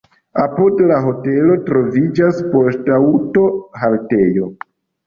Apud la hotelo troviĝas poŝtaŭto-haltejo.